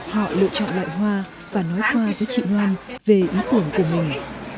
họ lựa chọn loại hoa và nói qua với chị ngoan về ý tưởng của mình